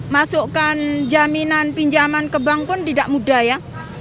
masukkan jaminan pinjaman ke bank pun tidak mudah ya